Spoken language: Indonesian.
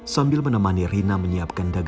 menggantungkan hidup dengan perjualan keset keliling